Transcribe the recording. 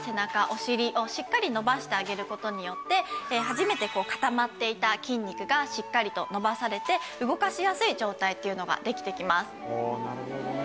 お尻をしっかり伸ばしてあげる事によって初めて固まっていた筋肉がしっかりと伸ばされて動かしやすい状態というのができてきます。